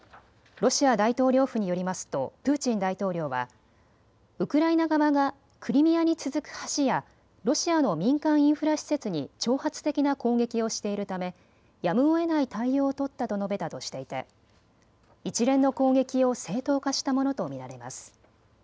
ロシア大統領府によりますとプーチン大統領はウクライナ側がクリミアに続く橋やロシアの民間インフラ施設に挑発的な攻撃をしているためやむをえない対応を取ったと述べたとしていて一連の攻撃を正当化したものと見られます。